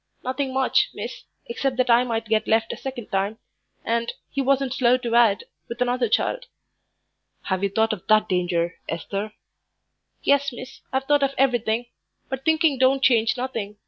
"Nothing much, miss, except that I might get left a second time and, he wasn't slow to add, with another child." "Have you thought of that danger, Esther?" "Yes, miss, I've thought of everything; but thinking don't change nothing.